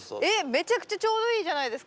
めちゃくちゃちょうどいいじゃないですか。